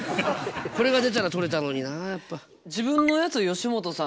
これが出たら取れたのになやっぱ。